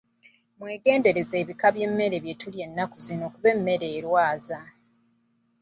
Mwegendereze ebika by'emmere bye tulya ennaku zino kuba emmere erwaza.